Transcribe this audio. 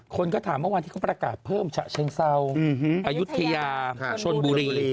คนก็ถามเมื่อวานที่เขาประกาศเพิ่มฉะเชิงเศร้าอายุทยาชนบุรี